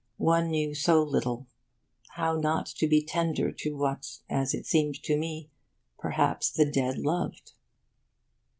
One knew so little. How not be tender to what, as it seemed to me, perhaps the dead loved?